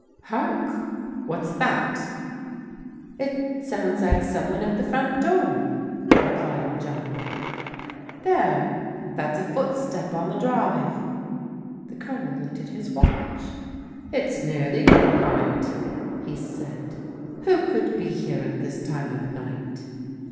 "Hark! What's that?" " It sounds like some one at the front door," replied John. " There, that's a footstep on the drive." The Colonel looked at his watch. " It's nearly mid night," he said ;" who could be here at this time of night?"